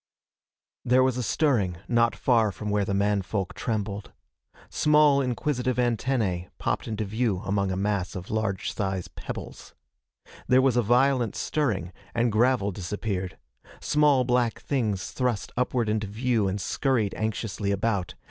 There was a stirring, not far from where the man folk trembled. Small, inquisitive antennae popped into view among a mass of large sized pebbles. There was a violent stirring, and gravel disappeared. Small black things thrust upward into view and scurried anxiously about.